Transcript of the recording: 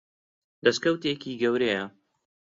دەستکەوتێکی گەورەیە.